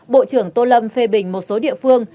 bộ trưởng tô lâm phê bình một số địa phương